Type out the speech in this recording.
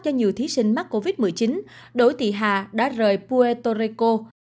do nhiều thí sinh mắc covid một mươi chín đỗ thị hà đã rời puerto rico